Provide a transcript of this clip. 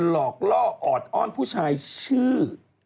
หลอกเหล้าออดอ้อมพูดชายชื่อ